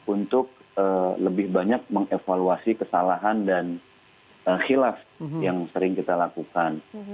untuk lebih banyak mengevaluasi kesalahan dan khilaf yang sering kita lakukan